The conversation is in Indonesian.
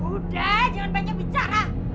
udah jangan banyak bicara